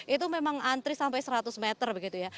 itu memang antri sampai seratus meter begitu ya